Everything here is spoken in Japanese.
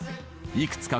いくつか